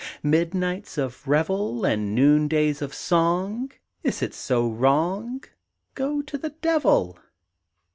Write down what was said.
Midnights of revel, And noondays of song! Is it so wrong? Go to the Devil!